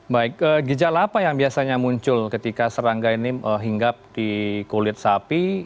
baik gejala apa yang biasanya muncul ketika serangga ini hinggap di kulit sapi